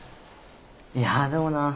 いやでもな